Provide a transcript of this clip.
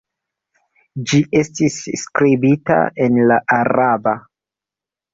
Ĝi estis skribita en la araba.